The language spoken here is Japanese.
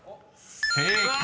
［正解！